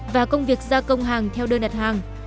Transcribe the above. và công việc gia công hàng theo đơn đặt hàng